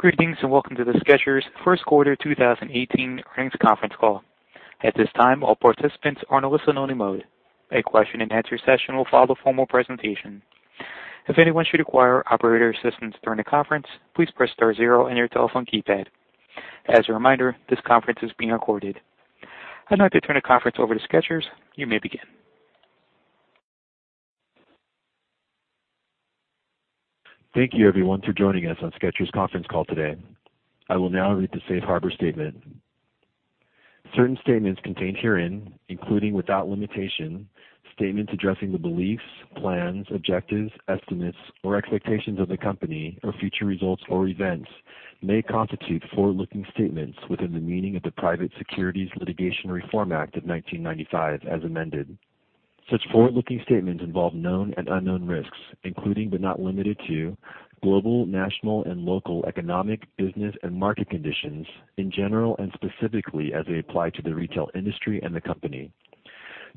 Greetings. Welcome to the Skechers first quarter 2018 earnings conference call. At this time, all participants are in listen-only mode. A question and answer session will follow the formal presentation. If anyone should require operator assistance during the conference, please press star zero on your telephone keypad. As a reminder, this conference is being recorded. I'd like to turn the conference over to Skechers. You may begin. Thank you, everyone, for joining us on Skechers conference call today. I will now read the safe harbor statement. Certain statements contained herein, including without limitation, statements addressing the beliefs, plans, objectives, estimates, or expectations of the company or future results or events may constitute forward-looking statements within the meaning of the Private Securities Litigation Reform Act of 1995 as amended. Such forward-looking statements involve known and unknown risks, including but not limited to global, national, and local economic, business, and market conditions in general and specifically as they apply to the retail industry and the company.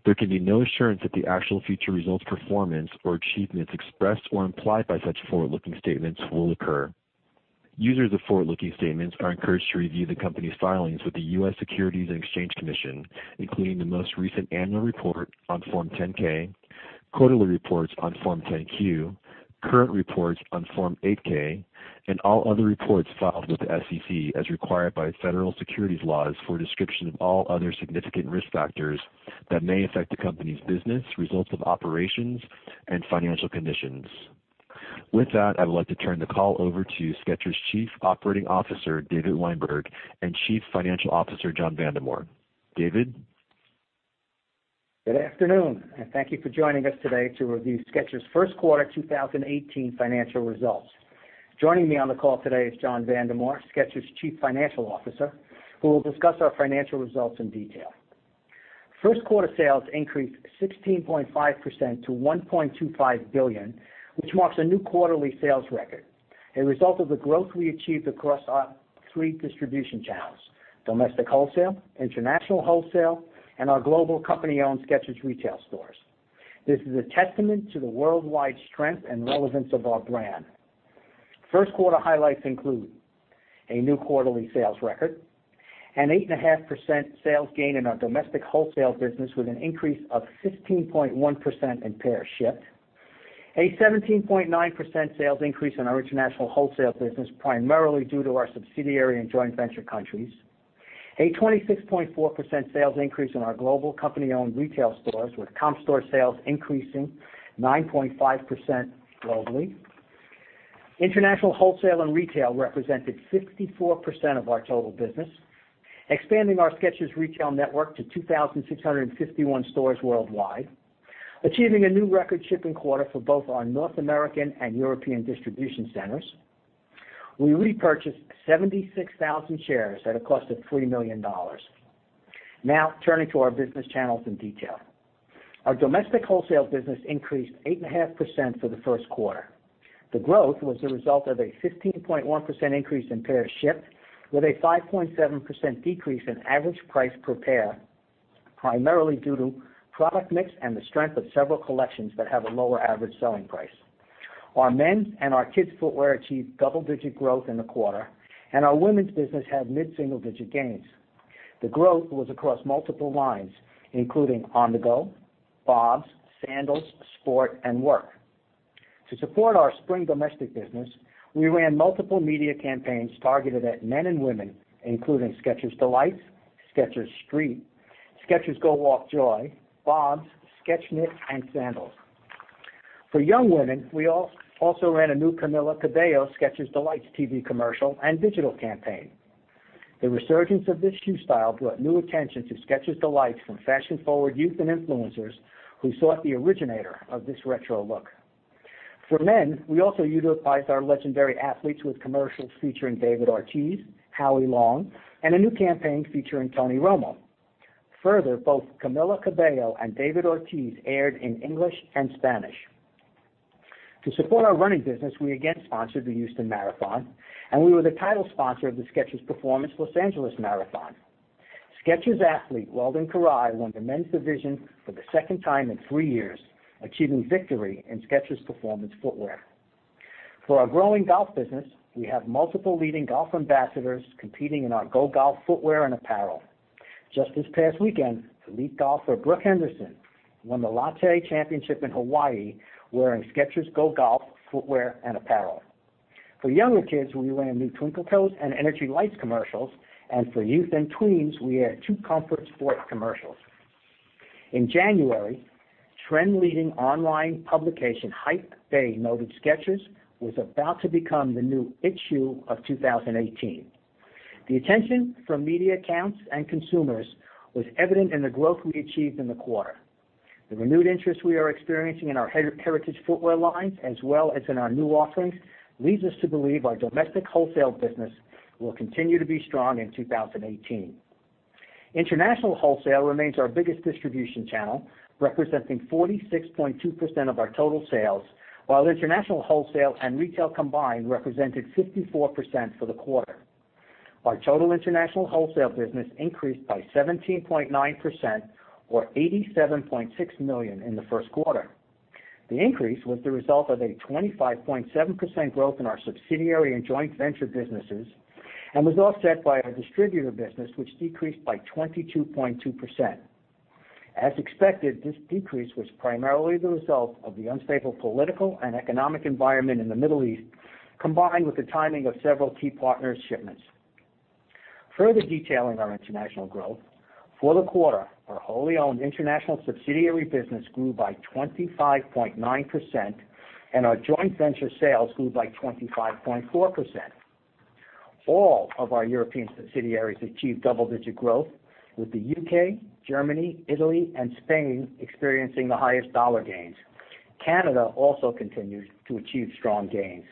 There can be no assurance that the actual future results, performance, or achievements expressed or implied by such forward-looking statements will occur. Users of forward-looking statements are encouraged to review the company's filings with the U.S. Securities and Exchange Commission, including the most recent annual report on Form 10-K, quarterly reports on Form 10-Q, current reports on Form 8-K, and all other reports filed with the SEC as required by federal securities laws for a description of all other significant risk factors that may affect the company's business, results of operations, and financial conditions. With that, I would like to turn the call over to Skechers Chief Operating Officer, David Weinberg, and Chief Financial Officer, John Vandemore. David? Good afternoon. Thank you for joining us today to review Skechers' first quarter 2018 financial results. Joining me on the call today is John Vandemore, Skechers Chief Financial Officer, who will discuss our financial results in detail. First quarter sales increased 16.5% to $1.25 billion, which marks a new quarterly sales record, a result of the growth we achieved across our three distribution channels, domestic wholesale, international wholesale, and our global company-owned Skechers retail stores. This is a testament to the worldwide strength and relevance of our brand. First quarter highlights include a new quarterly sales record, an 8.5% sales gain in our domestic wholesale business with an increase of 15.1% in pairs shipped. A 17.9% sales increase in our international wholesale business, primarily due to our subsidiary and joint venture countries. A 26.4% sales increase in our global company-owned retail stores, with comp store sales increasing 9.5% globally. International wholesale and retail represented 54% of our total business, expanding our Skechers retail network to 2,651 stores worldwide. Achieving a new record shipping quarter for both our North American and European distribution centers. We repurchased 76,000 shares at a cost of $3 million. Turning to our business channels in detail. Our domestic wholesale business increased 8.5% for the first quarter. The growth was the result of a 15.1% increase in pairs shipped, with a 5.7% decrease in average price per pair, primarily due to product mix and the strength of several collections that have a lower average selling price. Our men's and our kids' footwear achieved double-digit growth in the quarter, and our women's business had mid-single-digit gains. The growth was across multiple lines, including On-the-GO, BOBS, sandals, Sport, and work. To support our spring domestic business, we ran multiple media campaigns targeted at men and women, including Skechers D'Lites, Skechers Street, Skechers GO WALK Joy, BOBS, Skech-Knit, and sandals. For young women, we also ran a new Camila Cabello Skechers D'Lites TV commercial and digital campaign. The resurgence of this shoe style brought new attention to Skechers D'Lites from fashion-forward youth and influencers who sought the originator of this retro look. For men, we also utilized our legendary athletes with commercials featuring David Ortiz, Howie Long, and a new campaign featuring Tony Romo. Both Camila Cabello and David Ortiz aired in English and Spanish. To support our running business, we again sponsored the Houston Marathon, and we were the title sponsor of the Skechers Performance Los Angeles Marathon. Skechers athlete Weldon Kirui won the men's division for the second time in three years, achieving victory in Skechers Performance footwear. For our growing golf business, we have multiple leading golf ambassadors competing in our GO GOLF footwear and apparel. Just this past weekend, elite golfer Brooke Henderson won the Lotte Championship in Hawaii wearing Skechers GO GOLF footwear and apparel. For younger kids, we ran new Twinkle Toes and Energy Lights commercials, and for youth and tweens, we aired two Comfort Sport commercials. In January, trend-leading online publication Hypebae noted Skechers was about to become the new It shoe of 2018. The attention from media accounts and consumers was evident in the growth we achieved in the quarter. The renewed interest we are experiencing in our heritage footwear lines, as well as in our new offerings, leads us to believe our domestic wholesale business will continue to be strong in 2018. International wholesale remains our biggest distribution channel, representing 46.2% of our total sales, while international wholesale and retail combined represented 54% for the quarter. Our total international wholesale business increased by 17.9%, or $87.6 million in the first quarter. The increase was the result of a 25.7% growth in our subsidiary and joint venture businesses, and was offset by our distributor business, which decreased by 22.2%. As expected, this decrease was primarily the result of the unstable political and economic environment in the Middle East, combined with the timing of several key partner shipments. Further detailing our international growth, for the quarter, our wholly owned international subsidiary business grew by 25.9%, and our joint venture sales grew by 25.4%. All of our European subsidiaries achieved double-digit growth, with the U.K., Germany, Italy, and Spain experiencing the highest dollar gains. Canada also continues to achieve strong gains.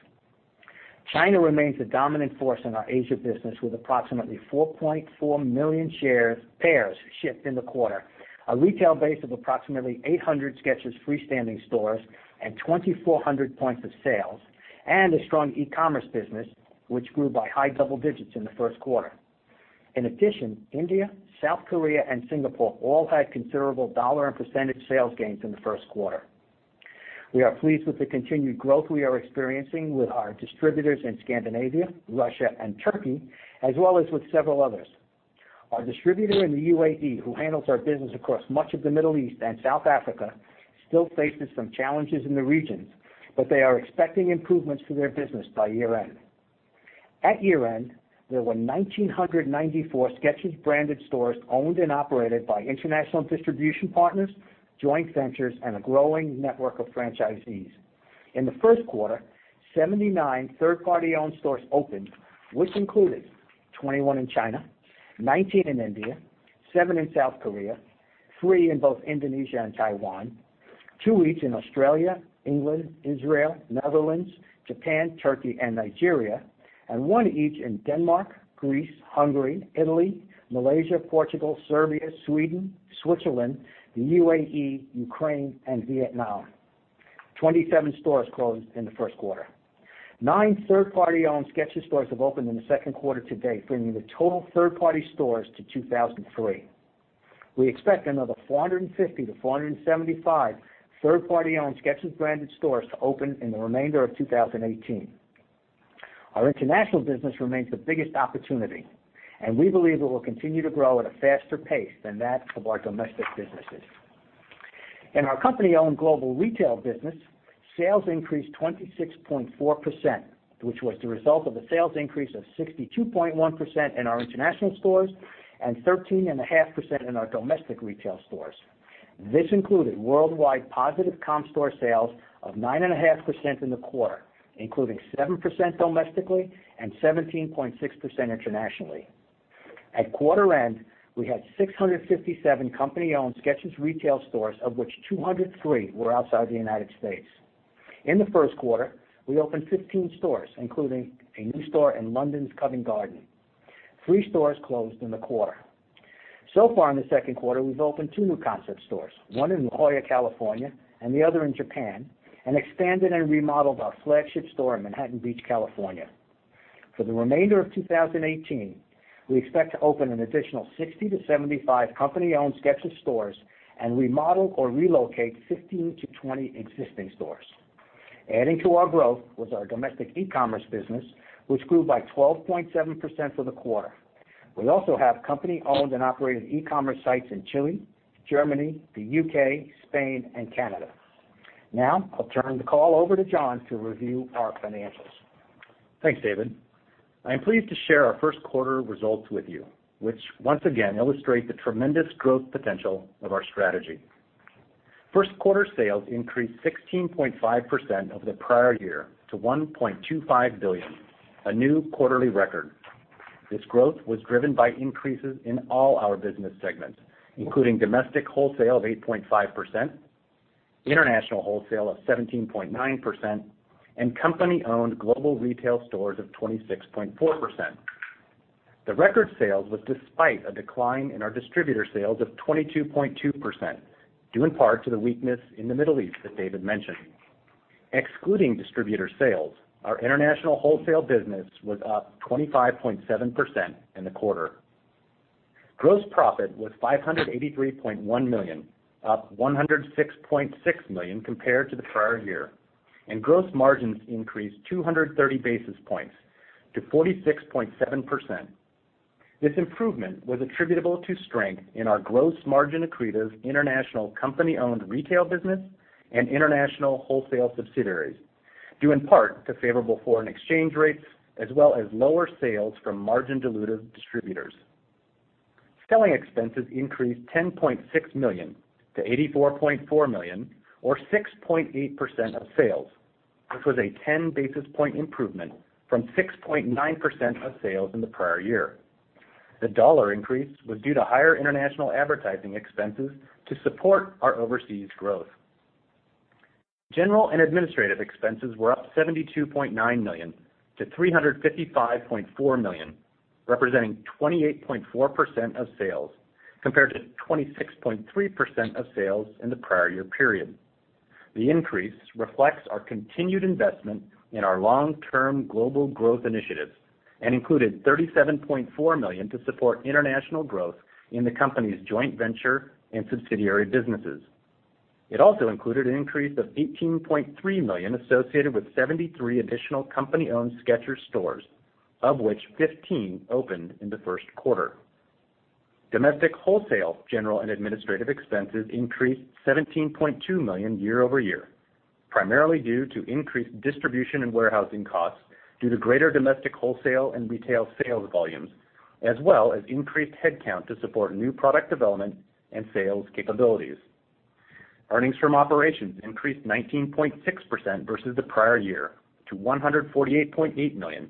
China remains a dominant force in our Asia business, with approximately 4.4 million pairs shipped in the quarter, a retail base of approximately 800 Skechers freestanding stores, and 2,400 points of sales, and a strong e-commerce business, which grew by high double digits in the first quarter. In addition, India, South Korea, and Singapore all had considerable dollar and percentage sales gains in the first quarter. We are pleased with the continued growth we are experiencing with our distributors in Scandinavia, Russia, and Turkey, as well as with several others. Our distributor in the U.A.E., who handles our business across much of the Middle East and South Africa, still faces some challenges in the regions, they are expecting improvements to their business by year-end. At year-end, there were 1,994 Skechers-branded stores owned and operated by international distribution partners, joint ventures, and a growing network of franchisees. In the first quarter, 79 third-party owned stores opened, which included 21 in China, 19 in India, seven in South Korea, three in both Indonesia and Taiwan, two each in Australia, England, Israel, Netherlands, Japan, Turkey, and Nigeria, and one each in Denmark, Greece, Hungary, Italy, Malaysia, Portugal, Serbia, Sweden, Switzerland, the U.A.E., Ukraine, and Vietnam. 27 stores closed in the first quarter. Nine third-party owned Skechers stores have opened in the second quarter to date, bringing the total third-party stores to 2,003. We expect another 450 to 475 third-party owned Skechers-branded stores to open in the remainder of 2018. Our international business remains the biggest opportunity, we believe it will continue to grow at a faster pace than that of our domestic businesses. In our company-owned global retail business, sales increased 26.4%, which was the result of a sales increase of 62.1% in our international stores and 13.5% in our domestic retail stores. This included worldwide positive comp store sales of 9.5% in the quarter, including 7% domestically and 17.6% internationally. At quarter end, we had 657 company-owned Skechers retail stores, of which 203 were outside the U.S. In the first quarter, we opened 15 stores, including a new store in London's Covent Garden. Three stores closed in the quarter. Far in the second quarter, we've opened two new concept stores, one in La Jolla, California, and the other in Japan, and expanded and remodeled our flagship store in Manhattan Beach, California. For the remainder of 2018, we expect to open an additional 60 to 75 company-owned Skechers stores and remodel or relocate 15 to 20 existing stores. Adding to our growth was our domestic e-commerce business, which grew by 12.7% for the quarter. We also have company-owned and operated e-commerce sites in Chile, Germany, the U.K., Spain, and Canada. Now, I'll turn the call over to John to review our financials. Thanks, David. I am pleased to share our first quarter results with you, which once again illustrate the tremendous growth potential of our strategy. First quarter sales increased 16.5% over the prior year to $1.25 billion, a new quarterly record. This growth was driven by increases in all our business segments, including domestic wholesale of 8.5%, international wholesale of 17.9%, and company-owned global retail stores of 26.4%. The record sales was despite a decline in our distributor sales of 22.2%, due in part to the weakness in the Middle East that David mentioned. Excluding distributor sales, our international wholesale business was up 25.7% in the quarter. Gross profit was $583.1 million, up $106.6 million compared to the prior year, and gross margins increased 230 basis points to 46.7%. This improvement was attributable to strength in our gross margin-accretive international company-owned retail business and international wholesale subsidiaries, due in part to favorable foreign exchange rates as well as lower sales from margin-dilutive distributors. Selling expenses increased $10.6 million to $84.4 million, or 6.8% of sales, which was a 10 basis point improvement from 6.9% of sales in the prior year. The dollar increase was due to higher international advertising expenses to support our overseas growth. General and administrative expenses were up $72.9 million to $355.4 million, representing 28.4% of sales, compared to 26.3% of sales in the prior year period. The increase reflects our continued investment in our long-term global growth initiatives and included $37.4 million to support international growth in the company's joint venture in subsidiary businesses. It also included an increase of $18.3 million associated with 73 additional company-owned Skechers stores, of which 15 opened in the first quarter. Domestic wholesale, general and administrative expenses increased $17.2 million year-over-year, primarily due to increased distribution and warehousing costs due to greater domestic wholesale and retail sales volumes, as well as increased headcount to support new product development and sales capabilities. Earnings from operations increased 19.6% versus the prior year to $148.8 million,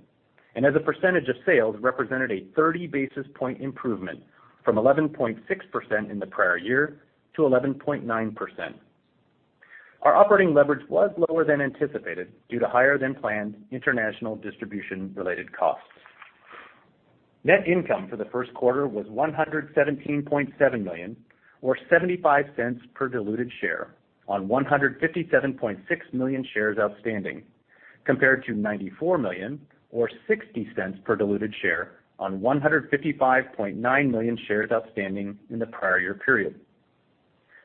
and as a percentage of sales, represented a 30 basis point improvement from 11.6% in the prior year to 11.9%. Our operating leverage was lower than anticipated due to higher-than-planned international distribution related costs. Net income for the first quarter was $117.7 million, or $0.75 per diluted share on 157.6 million shares outstanding, compared to $94 million or $0.60 per diluted share on 155.9 million shares outstanding in the prior year period.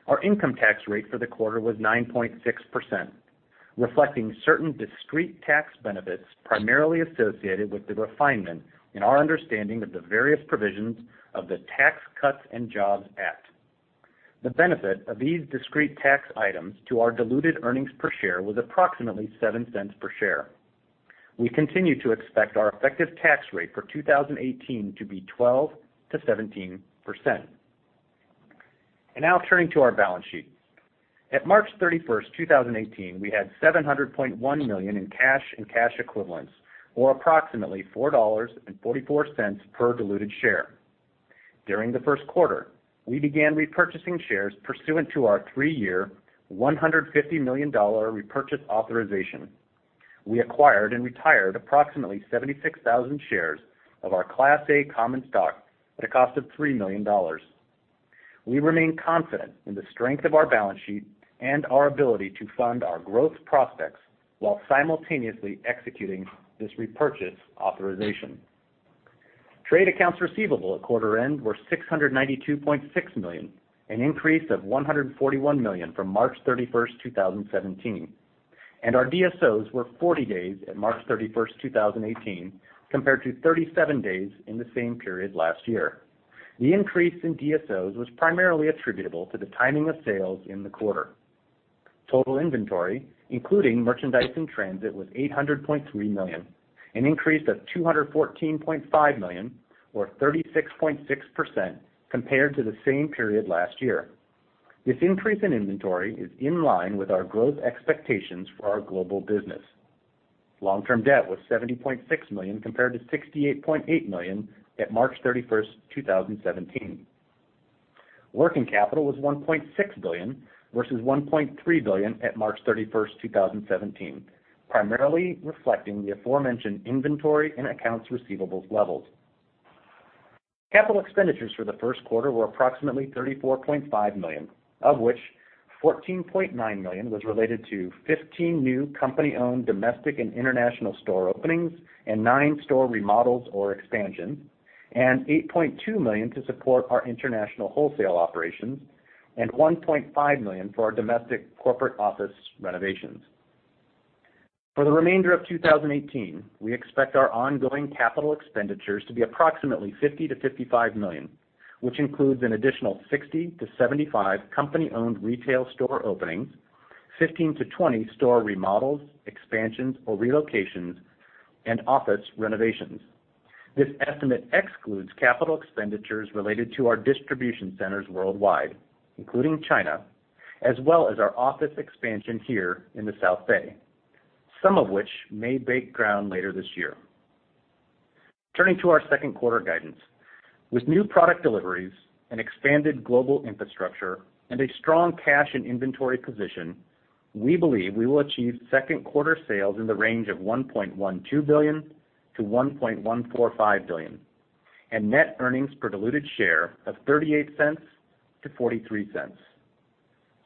Our income tax rate for the quarter was 9.6%, reflecting certain discrete tax benefits primarily associated with the refinement in our understanding of the various provisions of the Tax Cuts and Jobs Act. The benefit of these discrete tax items to our diluted earnings per share was approximately $0.07 per share. We continue to expect our effective tax rate for 2018 to be 12%-17%. Now turning to our balance sheet. At March 31st, 2018, we had $700.1 million in cash and cash equivalents, or approximately $4.44 per diluted share. During the first quarter, we began repurchasing shares pursuant to our three-year, $150 million repurchase authorization. We acquired and retired approximately 76,000 shares of our Class A common stock at a cost of $3 million. We remain confident in the strength of our balance sheet and our ability to fund our growth prospects while simultaneously executing this repurchase authorization. Trade accounts receivable at quarter end were $692.6 million, an increase of $141 million from March 31st, 2017, and our DSOs were 40 days at March 31st, 2018, compared to 37 days in the same period last year. The increase in DSOs was primarily attributable to the timing of sales in the quarter. Total inventory, including merchandise in transit, was $800.3 million, an increase of $214.5 million, or 36.6%, compared to the same period last year. This increase in inventory is in line with our growth expectations for our global business. Long-term debt was $70.6 million, compared to $68.8 million at March 31st, 2017. Working capital was $1.6 billion, versus $1.3 billion at March 31st, 2017, primarily reflecting the aforementioned inventory and accounts receivables levels. Capital expenditures for the first quarter were approximately $34.5 million, of which $14.9 million was related to 15 new company-owned domestic and international store openings and nine store remodels or expansions, and $8.2 million to support our international wholesale operations, and $1.5 million for our domestic corporate office renovations. For the remainder of 2018, we expect our ongoing capital expenditures to be approximately $50 million-$55 million, which includes an additional 60 to 75 company-owned retail store openings, 15 to 20 store remodels, expansions, or relocations, and office renovations. This estimate excludes capital expenditures related to our distribution centers worldwide, including China, as well as our office expansion here in the South Bay, some of which may break ground later this year. Turning to our second quarter guidance. With new product deliveries, an expanded global infrastructure, and a strong cash and inventory position, we believe we will achieve second quarter sales in the range of $1.12 billion-$1.145 billion, and net earnings per diluted share of $0.38-$0.43.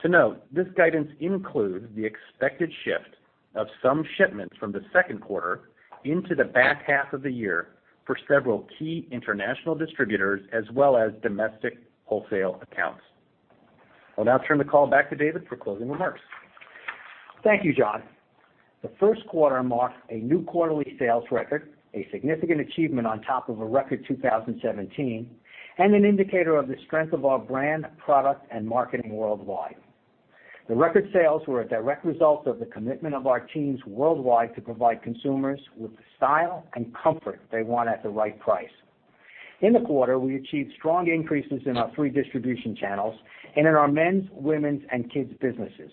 To note, this guidance includes the expected shift of some shipments from the second quarter into the back half of the year for several key international distributors as well as domestic wholesale accounts. I'll now turn the call back to David for closing remarks. Thank you, John. The first quarter marked a new quarterly sales record, a significant achievement on top of a record 2017, and an indicator of the strength of our brand, product, and marketing worldwide. The record sales were a direct result of the commitment of our teams worldwide to provide consumers with the style and comfort they want at the right price. In the quarter, we achieved strong increases in our three distribution channels and in our men's, women's, and kids' businesses.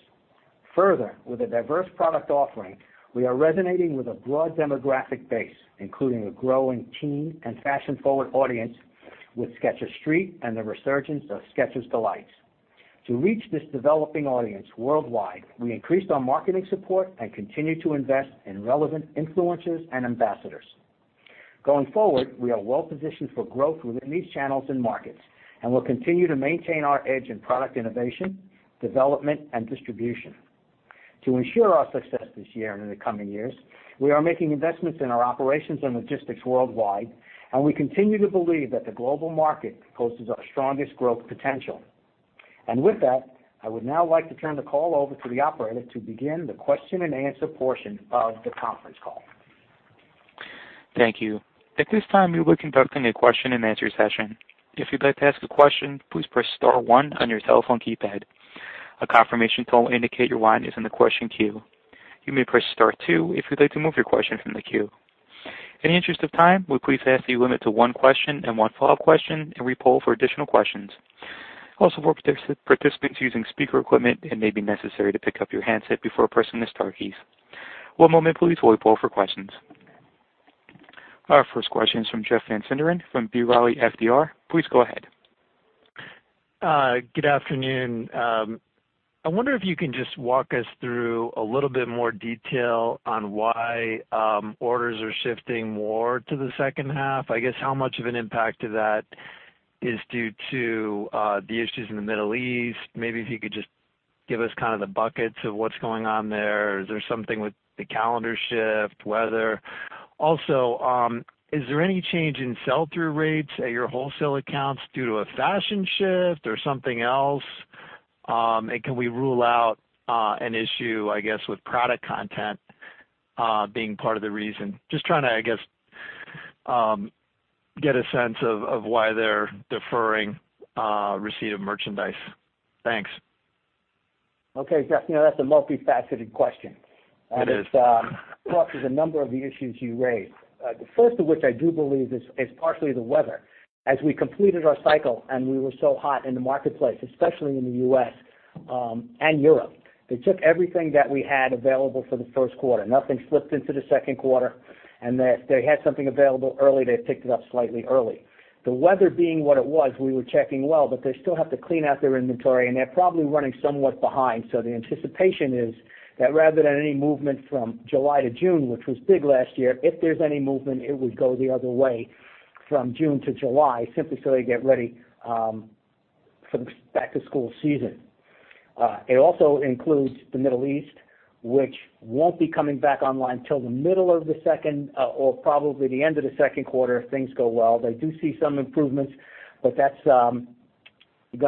Further, with a diverse product offering, we are resonating with a broad demographic base, including a growing teen and fashion-forward audience with Skecher Street and the resurgence of Skechers D'Lites. To reach this developing audience worldwide, we increased our marketing support and continue to invest in relevant influencers and ambassadors. Going forward, we are well positioned for growth within these channels and markets, we'll continue to maintain our edge in product innovation, development, and distribution. To ensure our success this year and in the coming years, we are making investments in our operations and logistics worldwide, we continue to believe that the global market poses our strongest growth potential. With that, I would now like to turn the call over to the operator to begin the question and answer portion of the conference call. Thank you. At this time, we will be conducting a question and answer session. If you'd like to ask a question, please press star one on your telephone keypad. A confirmation tone will indicate your line is in the question queue. You may press star two if you'd like to move your question from the queue. In the interest of time, we respectfully limit to one question and one follow-up question, we poll for additional questions. Also, for participants using speaker equipment, it may be necessary to pick up your handset before pressing the star keys. One moment, please, while we poll for questions. Our first question is from Jeff Van Sinderen from B. Riley FBR. Please go ahead. Good afternoon. I wonder if you can just walk us through a little bit more detail on why orders are shifting more to the second half. I guess how much of an impact of that is due to the issues in the Middle East. Maybe if you could just give us kind of the buckets of what's going on there. Is there something with the calendar shift, weather? Also, is there any change in sell-through rates at your wholesale accounts due to a fashion shift or something else? Can we rule out an issue, I guess, with product content being part of the reason? Just trying to, I guess, get a sense of why they're deferring receipt of merchandise. Thanks. Okay. Jeff, that's a multifaceted question. It is. There's a number of the issues you raised. The first of which I do believe is partially the weather. As we completed our cycle and we were so hot in the marketplace, especially in the U.S. and Europe. They took everything that we had available for the first quarter. Nothing slipped into the second quarter, and that if they had something available early, they picked it up slightly early. The weather being what it was, we were checking well, but they still have to clean out their inventory, and they're probably running somewhat behind. The anticipation is that rather than any movement from July to June, which was big last year, if there's any movement, it would go the other way from June to July, simply so they get ready for the back-to-school season. It also includes the Middle East, which won't be coming back online until the middle of the second or probably the end of the second quarter if things go well. They do see some improvements, but that's going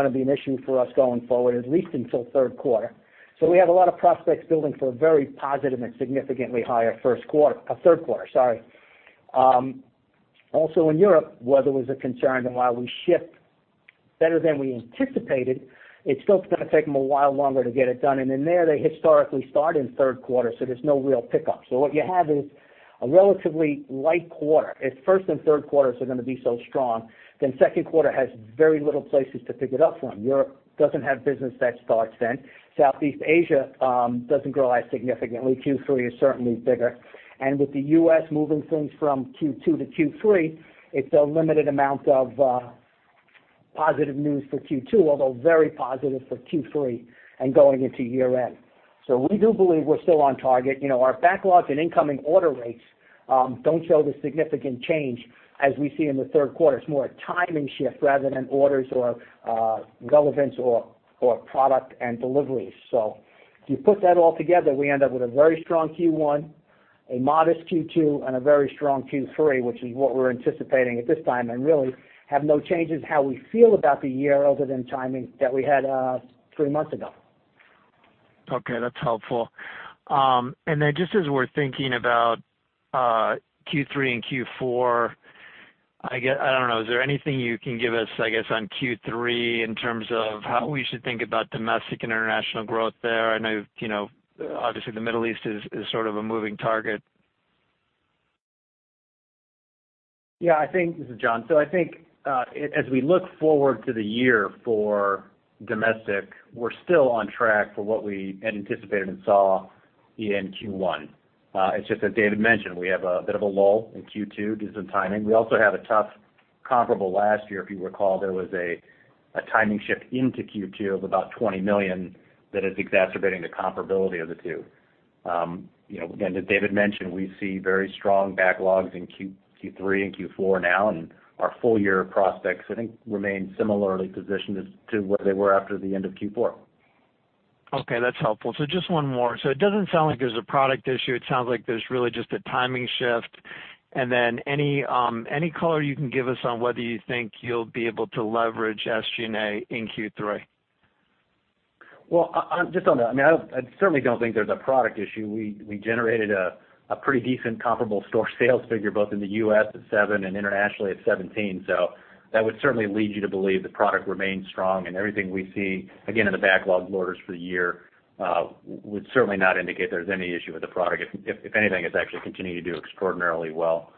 to be an issue for us going forward, at least until third quarter. We have a lot of prospects building for a very positive and significantly higher first quarter. Third quarter, sorry. Also in Europe, weather was a concern and while we shipped better than we anticipated, it's still going to take them a while longer to get it done. In there, they historically start in third quarter, there's no real pickup. What you have is a relatively light quarter. If first and third quarters are going to be so strong, second quarter has very little places to pick it up from. Europe doesn't have business that starts then. Southeast Asia doesn't grow as significantly. Q3 is certainly bigger. With the U.S. moving things from Q2 to Q3, it's a limited amount of positive news for Q2, although very positive for Q3 and going into year-end. We do believe we're still on target. Our backlogs and incoming order rates don't show the significant change as we see in the third quarter. It's more a timing shift rather than orders or relevance or product and deliveries. If you put that all together, we end up with a very strong Q1, a modest Q2, and a very strong Q3, which is what we're anticipating at this time, and really have no changes how we feel about the year other than timing that we had three months ago. Okay. That's helpful. Just as we're thinking about Q3 and Q4, I don't know, is there anything you can give us, I guess, on Q3 in terms of how we should think about domestic and international growth there? I know, obviously the Middle East is sort of a moving target. Yeah. This is John. I think as we look forward to the year for domestic, we're still on track for what we had anticipated and saw in Q1. It's just as David mentioned, we have a bit of a lull in Q2 due to some timing. We also had a tough comparable last year. If you recall, there was a timing shift into Q2 of about $20 million that is exacerbating the comparability of the two. Again, as David mentioned, we see very strong backlogs in Q3 and Q4 now, and our full-year prospects, I think, remain similarly positioned as to where they were after the end of Q4. Okay. That's helpful. Just one more. It doesn't sound like there's a product issue. It sounds like there's really just a timing shift. Any color you can give us on whether you think you'll be able to leverage SG&A in Q3? Well, just on that, I certainly don't think there's a product issue. We generated a pretty decent comparable store sales figure, both in the U.S. at seven and internationally at 17. That would certainly lead you to believe the product remains strong and everything we see, again, in the backlog orders for the year, would certainly not indicate there's any issue with the product. If anything, it's actually continuing to do extraordinarily well.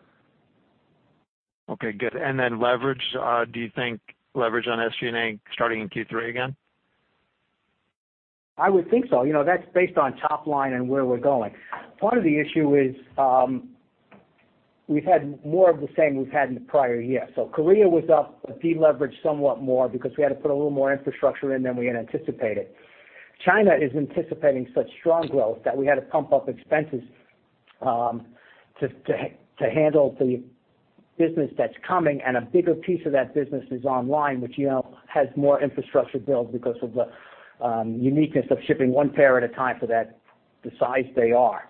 Okay, good. Leverage, do you think leverage on SG&A starting in Q3 again? I would think so. That's based on top line and where we're going. Part of the issue is we've had more of the same we've had in the prior year. Korea was up, but deleveraged somewhat more because we had to put a little more infrastructure in than we had anticipated. China is anticipating such strong growth that we had to pump up expenses to handle the business that's coming. A bigger piece of that business is online, which has more infrastructure build because of the uniqueness of shipping one pair at a time for the size they are.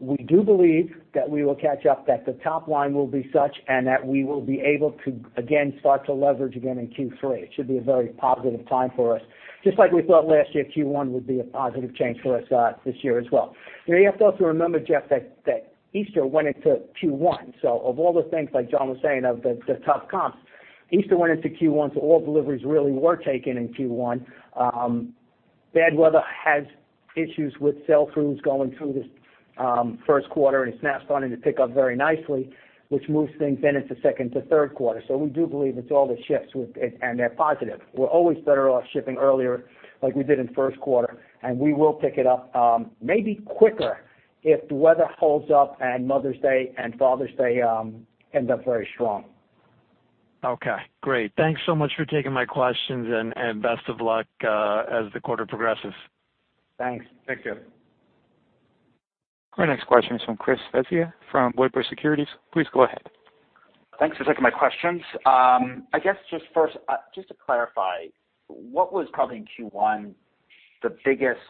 We do believe that we will catch up, that the top line will be such, and that we will be able to, again, start to leverage again in Q3. It should be a very positive time for us, just like we thought last year Q1 would be a positive change for us this year as well. You have to also remember, Jeff, that Easter went into Q1. Of all the things, like John was saying, of the tough comps, Easter went into Q1, so all deliveries really were taken in Q1. Bad weather has issues with sell-throughs going through this first quarter, and it's now starting to pick up very nicely, which moves things then into second to third quarter. We do believe it's all the shifts, and they're positive. We're always better off shipping earlier, like we did in first quarter, and we will pick it up maybe quicker if the weather holds up and Mother's Day and Father's Day end up very strong. Okay, great. Thanks so much for taking my questions and best of luck as the quarter progresses. Thanks. Thank you. Our next question is from Chris Svezia from Wedbush Securities. Please go ahead. Thanks for taking my questions. I guess just first, just to clarify, what was probably in Q1 the biggest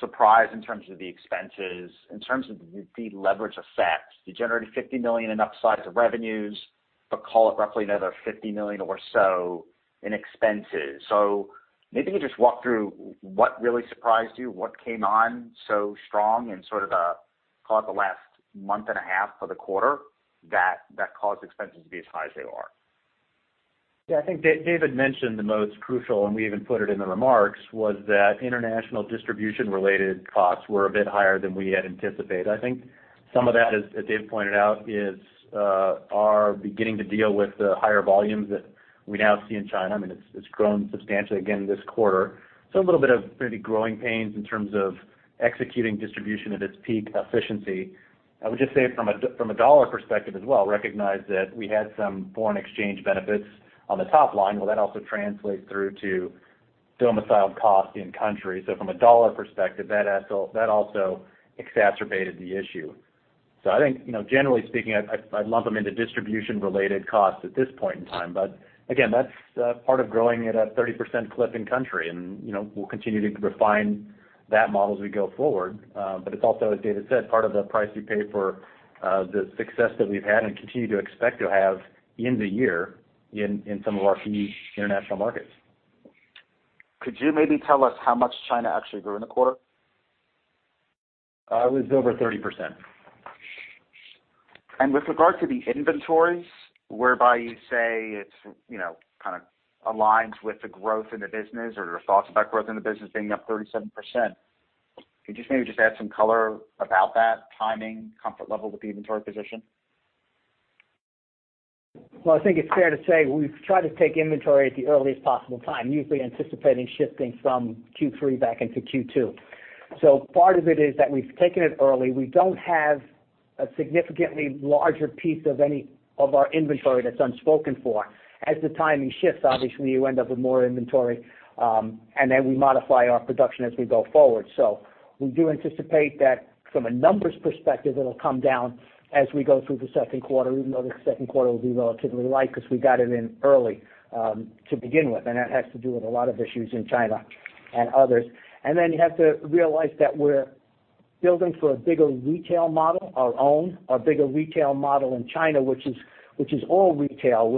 surprise in terms of the expenses, in terms of the leverage effect? You generated $50 million in upsides of revenues, but call it roughly another $50 million or so in expenses. Maybe you could just walk through what really surprised you, what came on so strong in sort of call it the last month and a half of the quarter that caused expenses to be as high as they are. Yeah, I think David mentioned the most crucial, and we even put it in the remarks, was that international distribution-related costs were a bit higher than we had anticipated. I think some of that, as Dave pointed out, are beginning to deal with the higher volumes that we now see in China. It's grown substantially again this quarter. A little bit of maybe growing pains in terms of executing distribution at its peak efficiency. I would just say from a dollar perspective as well, recognize that we had some foreign exchange benefits on the top line. Well, that also translates through to domiciled cost in country. From a dollar perspective, that also exacerbated the issue. I think, generally speaking, I'd lump them into distribution-related costs at this point in time. Again, that's part of growing at a 30% clip in country, and we'll continue to refine that model as we go forward. It's also, as David said, part of the price you pay for the success that we've had and continue to expect to have in the year in some of our key international markets. Could you maybe tell us how much China actually grew in the quarter? It was over 30%. With regard to the inventories, whereby you say it kind of aligns with the growth in the business or your thoughts about growth in the business being up 37%, could you just maybe just add some color about that timing, comfort level with the inventory position? I think it's fair to say we've tried to take inventory at the earliest possible time, usually anticipating shifting from Q3 back into Q2. Part of it is that we've taken it early. We don't have a significantly larger piece of any of our inventory that's unspoken for. As the timing shifts, obviously, you end up with more inventory, we modify our production as we go forward. We do anticipate that from a numbers perspective, it will come down as we go through the second quarter, even though the second quarter will be relatively light because we got it in early to begin with. That has to do with a lot of issues in China and others. You have to realize that we're building for a bigger retail model, our own, a bigger retail model in China, which is all retail.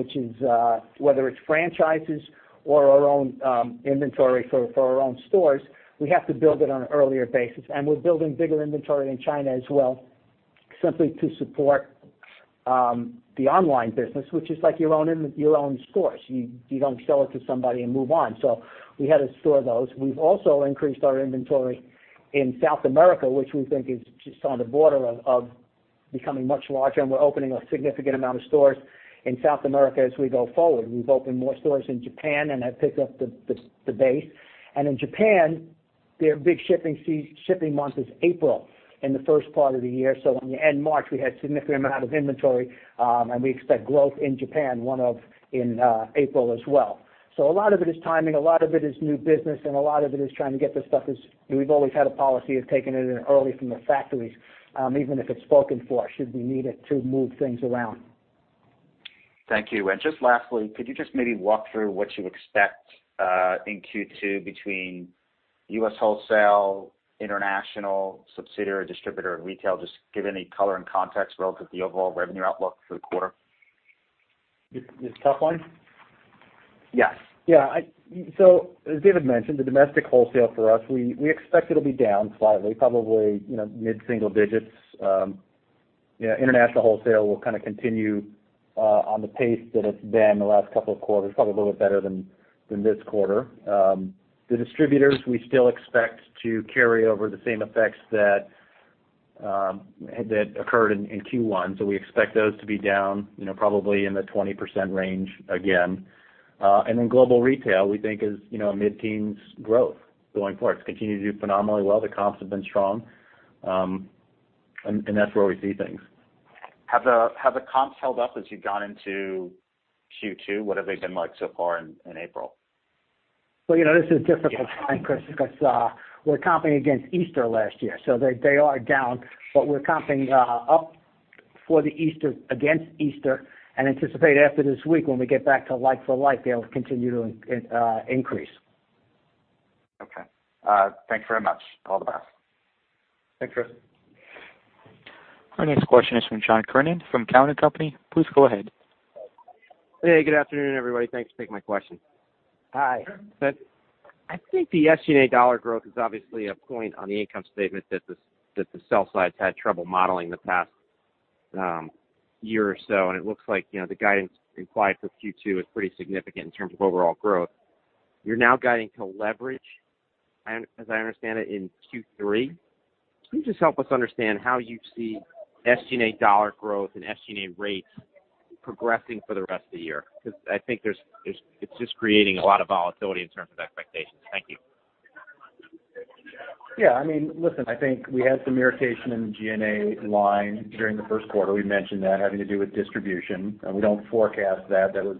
Whether it's franchises or our own inventory for our own stores, we have to build it on an earlier basis. We're building bigger inventory in China as well, simply to support the online business, which is like your own stores. You don't sell it to somebody and move on. We had to store those. We've also increased our inventory in South America, which we think is just on the border of becoming much larger, and we're opening a significant amount of stores in South America as we go forward. We've opened more stores in Japan, that picks up the base. In Japan, their big shipping month is April in the first part of the year. When you end March, we had significant amount of inventory, we expect growth in Japan in April as well. A lot of it is timing, a lot of it is new business, and a lot of it is trying to get the stuff. We've always had a policy of taking it in early from the factories, even if it's spoken for, should we need it to move things around. Thank you. Just lastly, could you just maybe walk through what you expect in Q2 between U.S. wholesale, international, subsidiary, distributor, and retail, just give any color and context relative to the overall revenue outlook for the quarter? The top line? Yes. As David mentioned, the domestic wholesale for us, we expect it'll be down slightly, probably mid-single digits. International wholesale will continue on the pace that it's been the last couple of quarters, probably a little bit better than this quarter. The distributors, we still expect to carry over the same effects that occurred in Q1. We expect those to be down probably in the 20% range again. Global retail, we think is a mid-teens growth going forward. It's continued to do phenomenally well. The comps have been strong. That's where we see things. Have the comps held up as you've gone into Q2? What have they been like so far in April? This is difficult to time, Chris, because we're comping against Easter last year, so they are down. We're comping up against Easter and anticipate after this week, when we get back to like-for-like, they'll continue to increase. Okay. Thanks very much. All the best. Thanks, Chris. Our next question is from John Kernan from Cowen and Company. Please go ahead. Hey, good afternoon, everybody. Thanks for taking my question. Hi. I think the SG&A dollar growth is obviously a point on the income statement that the sell side's had trouble modeling the past year or so, and it looks like the guidance implied for Q2 is pretty significant in terms of overall growth. You're now guiding to leverage, as I understand it, in Q3. Can you just help us understand how you see SG&A dollar growth and SG&A rates progressing for the rest of the year? I think it's just creating a lot of volatility in terms of expectations. Thank you. Yeah. Listen, I think we had some irritation in the G&A line during the first quarter. We mentioned that, having to do with distribution. We don't forecast that. That was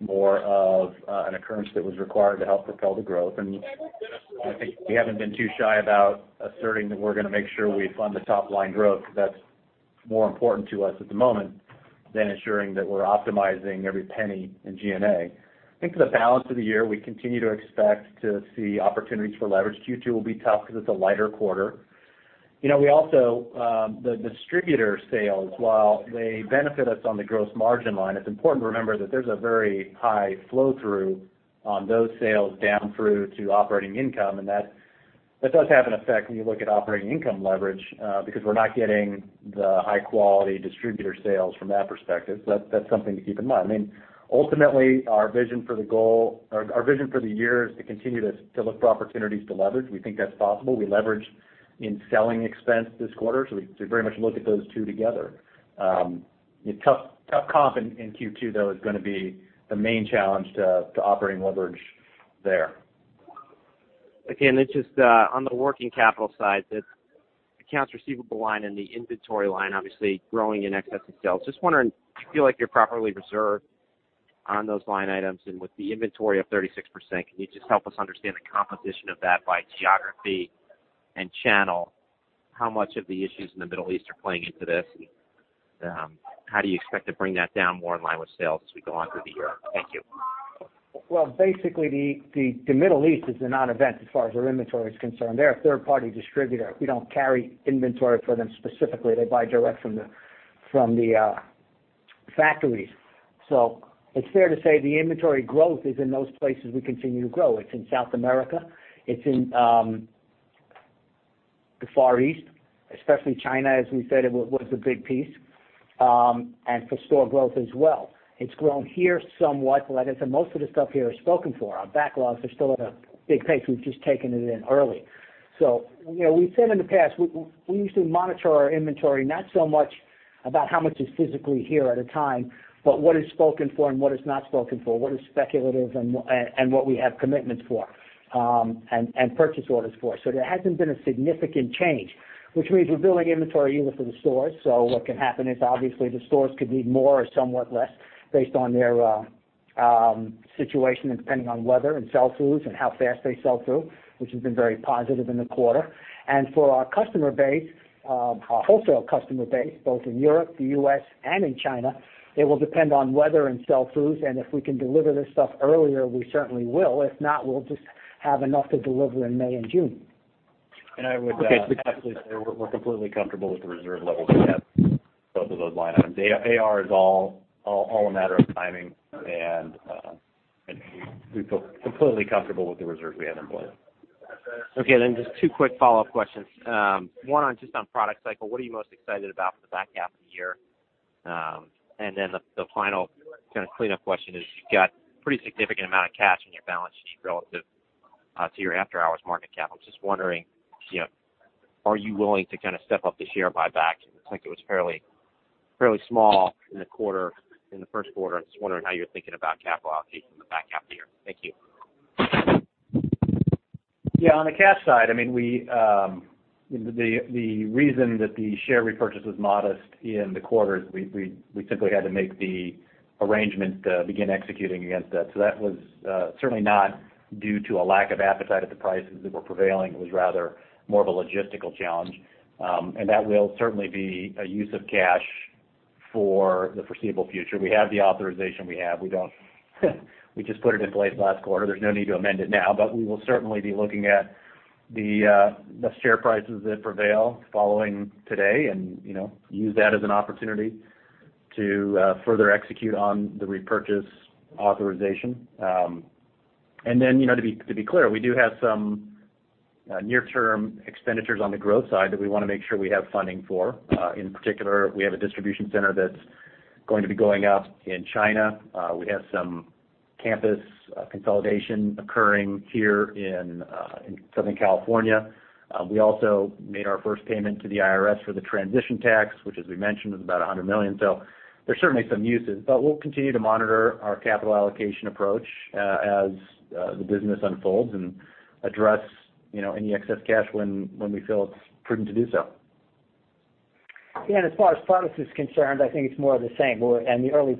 more of an occurrence that was required to help propel the growth. I think we haven't been too shy about asserting that we're going to make sure we fund the top-line growth. That's more important to us at the moment than ensuring that we're optimizing every penny in G&A. I think for the balance of the year, we continue to expect to see opportunities for leverage. Q2 will be tough because it's a lighter quarter. The distributor sales, while they benefit us on the gross margin line, it's important to remember that there's a very high flow-through on those sales down through to operating income. That does have an effect when you look at operating income leverage, because we're not getting the high-quality distributor sales from that perspective. That's something to keep in mind. Ultimately, our vision for the year is to continue to look for opportunities to leverage. We think that's possible. We leveraged in selling expense this quarter, so we very much look at those two together. Tough comp in Q2, though, is going to be the main challenge to operating leverage there. Again, it's just on the working capital side, the accounts receivable line and the inventory line, obviously growing in excess of sales. Just wondering, do you feel like you're properly reserved on those line items? With the inventory up 36%, can you just help us understand the composition of that by geography and channel? How much of the issues in the Middle East are playing into this? How do you expect to bring that down more in line with sales as we go on through the year? Thank you. Basically, the Middle East is a non-event as far as our inventory is concerned. They're a third-party distributor. We don't carry inventory for them specifically. They buy direct from the factories. It's fair to say the inventory growth is in those places we continue to grow. It's in South America. It's in the Far East, especially China, as we said, was a big piece. For store growth as well. It's grown here somewhat. Like I said, most of the stuff here is spoken for. Our backlogs are still at a big pace. We've just taken it in early. We've said in the past, we used to monitor our inventory, not so much about how much is physically here at a time, but what is spoken for and what is not spoken for, what is speculative and what we have commitments for and purchase orders for. There hasn't been a significant change, which means we're building inventory even for the stores. What can happen is, obviously, the stores could need more or somewhat less based on their situation and depending on weather and sell-throughs and how fast they sell through, which has been very positive in the quarter. For our wholesale customer base, both in Europe, the U.S., and in China, it will depend on weather and sell-throughs, and if we can deliver this stuff earlier, we certainly will. If not, we'll just have enough to deliver in May and June. I would happily say we're completely comfortable with the reserve levels we have for both of those line items. AR is all a matter of timing, and we feel completely comfortable with the reserves we have in place. Okay, just two quick follow-up questions. One on just on product cycle, what are you most excited about for the back half of the year? The final kind of cleanup question is, you've got pretty significant amount of cash on your balance sheet relative to your after-hours market cap. I was just wondering, are you willing to kind of step up the share buyback? It looks like it was fairly small in the first quarter. I'm just wondering how you're thinking about capital allocation in the back half of the year. Thank you. Yeah. On the cash side, the reason that the share repurchase was modest in the quarter is we simply had to make the arrangement to begin executing against that. That was certainly not due to a lack of appetite at the prices that were prevailing. It was rather more of a logistical challenge. That will certainly be a use of cash for the foreseeable future. We have the authorization we have. We just put it in place last quarter. There's no need to amend it now, but we will certainly be looking at the share prices that prevail following today and use that as an opportunity to further execute on the repurchase authorization. To be clear, we do have some near-term expenditures on the growth side that we want to make sure we have funding for. In particular, we have a distribution center that's going to be going up in China. We have some campus consolidation occurring here in Southern California. We also made our first payment to the IRS for the transition tax, which as we mentioned, was about $100 million. There's certainly some uses. We'll continue to monitor our capital allocation approach as the business unfolds and address any excess cash when we feel it's prudent to do so. Yeah. As far as product is concerned, I think it's more of the same. In the early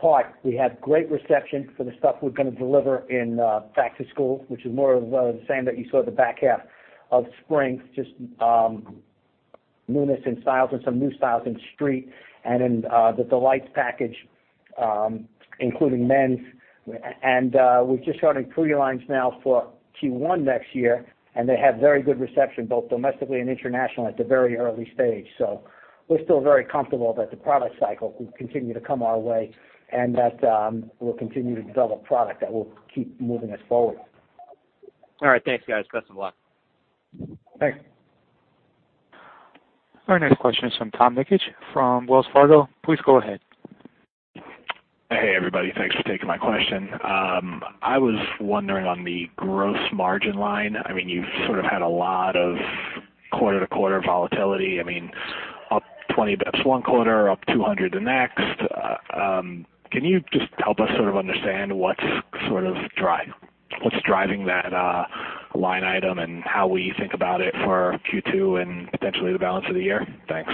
part, we had great reception for the stuff we're going to deliver in back to school, which is more of the same that you saw the back half of spring, just newness in styles and some new styles in Skecher Street and in the Skechers D'Lites package, including men's. We've just started pre-lines now for Q1 next year, and they have very good reception both domestically and internationally at the very early stage. We're still very comfortable that the product cycle will continue to come our way and that we'll continue to develop product that will keep moving us forward. All right. Thanks, guys. Best of luck. Thanks. Our next question is from Tom Nikic from Wells Fargo. Please go ahead. Hey, everybody. Thanks for taking my question. I was wondering on the gross margin line. You've sort of had a lot of quarter-to-quarter volatility. Up 20 basis points one quarter, up 200 the next. Can you just help us sort of understand what's driving that line item and how we think about it for Q2 and potentially the balance of the year? Thanks.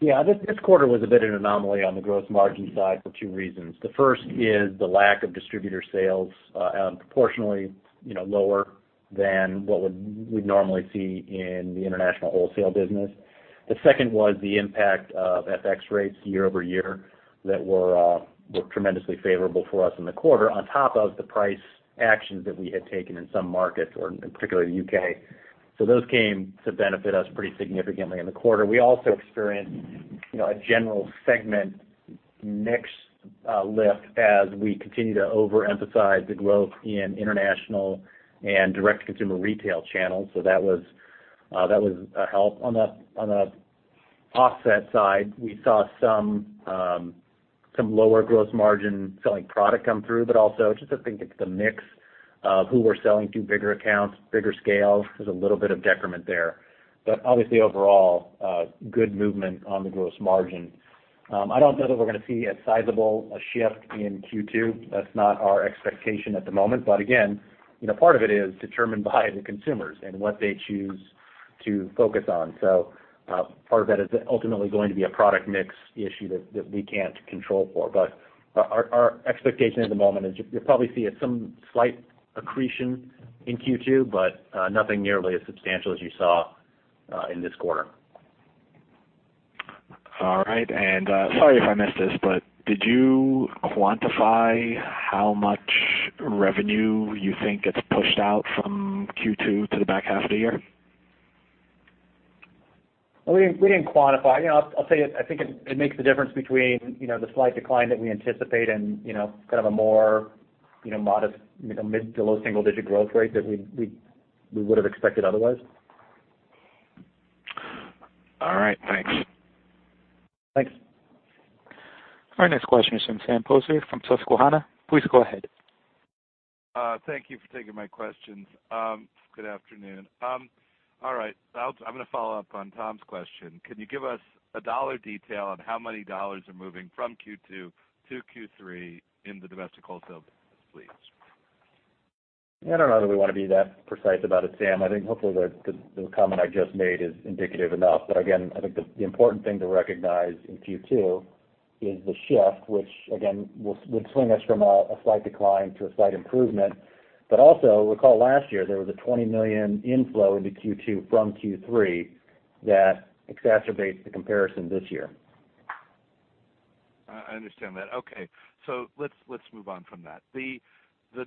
Yeah. This quarter was a bit of an anomaly on the gross margin side for two reasons. The first is the lack of distributor sales, proportionally lower than what we'd normally see in the international wholesale business. The second was the impact of FX rates year-over-year that were tremendously favorable for us in the quarter on top of the price actions that we had taken in some markets, or in particular, the U.K. Those came to benefit us pretty significantly in the quarter. We also experienced a general segment mix lift as we continue to overemphasize the growth in international and direct-to-consumer retail channels. That was a help. On the offset side, we saw some lower gross margin selling product come through. Also, just, I think it's the mix of who we're selling to, bigger accounts, bigger scales. There's a little bit of decrement there. Obviously, overall, good movement on the gross margin. I don't know that we're going to see as sizable a shift in Q2. That's not our expectation at the moment. Again, part of it is determined by the consumers and what they choose to focus on. Part of that is ultimately going to be a product mix issue that we can't control for. Our expectation at the moment is you'll probably see some slight accretion in Q2, but nothing nearly as substantial as you saw in this quarter. All right. Sorry if I missed this, but did you quantify how much revenue you think gets pushed out from Q2 to the back half of the year? We didn't quantify. I'll say I think it makes the difference between the slight decline that we anticipate and kind of a more modest mid to low single-digit growth rate that we would've expected otherwise. All right. Thanks. Thanks. Our next question is from Sam Poser from Susquehanna. Please go ahead. Thank you for taking my questions. Good afternoon. All right. I'm going to follow up on Tom's question. Can you give us a dollar detail on how many dollars are moving from Q2 to Q3 in the domestic wholesale business, please? I don't know that we want to be that precise about it, Sam. I think hopefully the comment I just made is indicative enough. Again, I think the important thing to recognize in Q2 is the shift, which again, would swing us from a slight decline to a slight improvement. Also, recall last year, there was a $20 million inflow into Q2 from Q3 that exacerbates the comparison this year. I understand that. Okay. Let's move on from that. The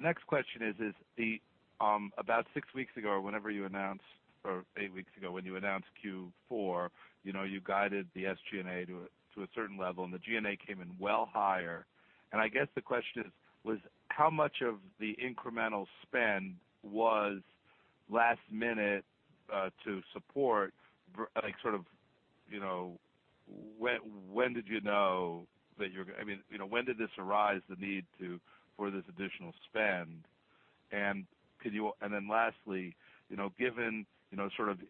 next question is, about six weeks ago or whenever you announced eight weeks ago, when you announced Q4, you guided the SG&A to a certain level, and the G&A came in well higher. I guess the question is how much of the incremental spend was last minute to support when did this arise, the need for this additional spend? Lastly,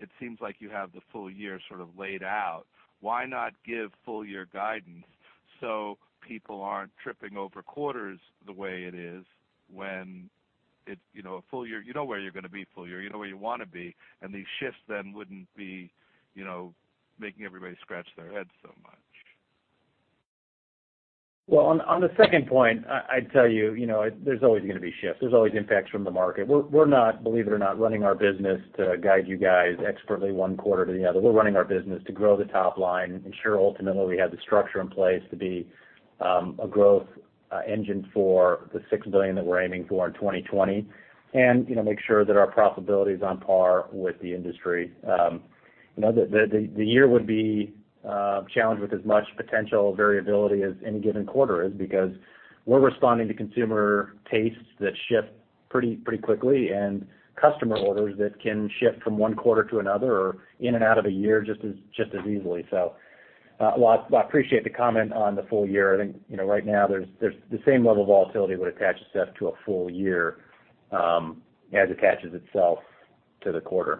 it seems like you have the full year sort of laid out. Why not give full year guidance so people aren't tripping over quarters the way it is when a full year, you know where you're going to be full year, you know where you want to be, these shifts wouldn't be making everybody scratch their heads so much. Well, on the second point, I'd tell you, there's always going to be shifts. There's always impacts from the market. We're not, believe it or not, running our business to guide you guys expertly one quarter to the other. We're running our business to grow the top line, ensure ultimately we have the structure in place to be a growth engine for the $6 billion that we're aiming for in 2020, and make sure that our profitability is on par with the industry. The year would be challenged with as much potential variability as any given quarter is because we're responding to consumer tastes that shift pretty quickly and customer orders that can shift from one quarter to another or in and out of a year just as easily. While I appreciate the comment on the full year, I think right now there's the same level of volatility would attach itself to a full year as attaches itself to the quarter.